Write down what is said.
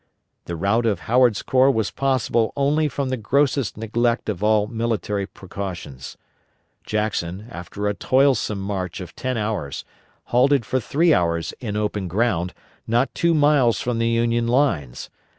The rout of Howard's corps was possible only from the grossest neglect of all military precautions. Jackson, after a toilsome march of ten hours, halted for three hours in open ground, not two miles from the Union lines.